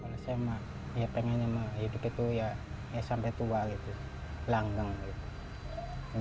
kalau saya mah pengennya hidup gitu ya ya sampai tua gitu langgeng gitu